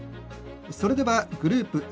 それではグループＡ